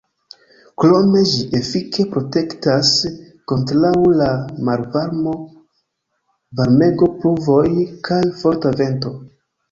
Krome ĝi efike protektas kontraŭ la malvarmo, varmego, pluvoj kaj forta vento.